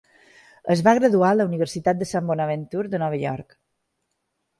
Es va graduar a la Universitat de St. Bonaventure de Nova York.